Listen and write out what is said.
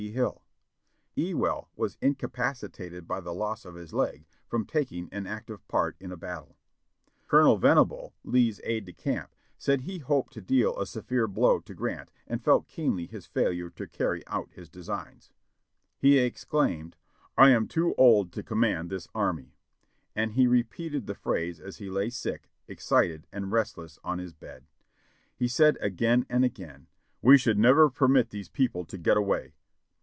P. Hill ; Ewell was incapacitated by the loss of his leg, from taking an active part in a battle. Colonel Venable, Lee's aide de camp, said he hoped to deal a severe blow to Grant, and felt keenly his failure to carry out his designs. "He exclaimed, '1 am too old to command this army!' and he repeated the phrase as he lay sick, excited, and restless on his bed. He said again and again, *We should never permit these people to get away.'